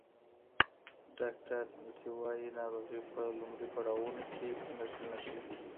ډاکټر میتیو وايي ناروغي په لومړیو پړاوونو کې نښې نه ښيي.